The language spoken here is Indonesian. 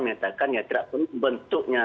menyatakan ya tidak penuh bentuknya